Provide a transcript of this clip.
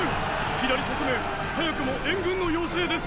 左側面早くも援軍の要請です！！